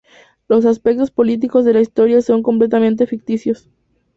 Los aspectos políticos de la historia son completamente ficticios.